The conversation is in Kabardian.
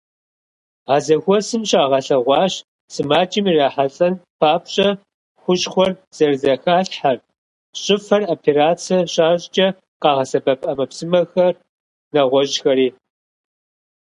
А зэхуэсым щагъэлъэгъуащ сымаджэм ирахьэлӀэн папщӀэ хущхъуэр зэрызэхалъхьэр, щӀыфэр операцэ щащӏкӏэ къагъэсэбэп ӏэмэпсымэхэр, нэгъуэщӀхэри.